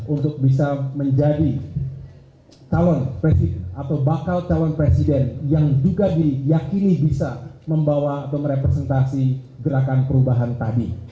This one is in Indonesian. untuk bisa menjadi calon presiden atau bakal calon presiden yang juga diyakini bisa membawa atau merepresentasi gerakan perubahan tadi